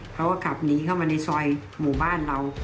เขาก็ขับหนีเข้ามาในซอยหมู่บ้านเรา